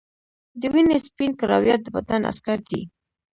د وینې سپین کرویات د بدن عسکر دي